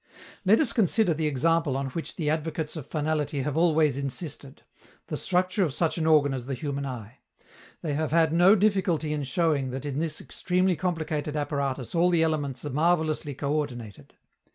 Let us consider the example on which the advocates of finality have always insisted: the structure of such an organ as the human eye. They have had no difficulty in showing that in this extremely complicated apparatus all the elements are marvelously co ordinated.